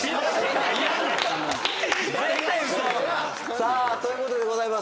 さあということでございます。